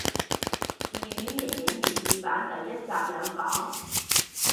自戀刑警粵語版第一集有講